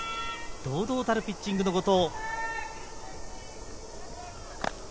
堂々たるピッチングの後藤。